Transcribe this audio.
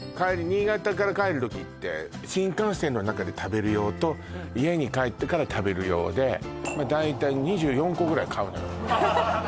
新潟から帰る時って新幹線の中で食べる用と家に帰ってから食べる用でまあ大体２４個ぐらい買うのよ